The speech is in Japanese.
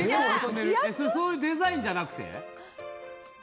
そういうデザインじゃなくて？